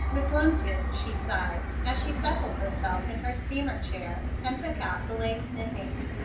"Le bon Dieu," she sighed, as she settled herself in her steamer chair and took out the lace knitting.